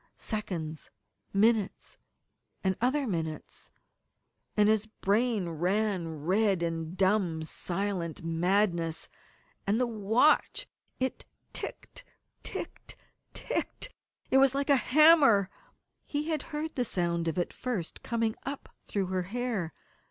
Seconds, minutes, and other minutes and his brain ran red in dumb, silent madness. And the watch! It ticked, ticked, ticked! It was like a hammer. He had heard the sound of it first coming up through her hair.